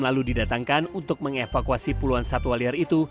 lalu didatangkan untuk mengevakuasi puluhan satwa liar itu